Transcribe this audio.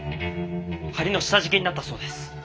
梁の下敷きになったそうです。